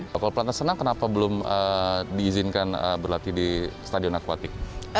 kalau pelatnas renang kenapa belum diizinkan berlatih di stadion akuatik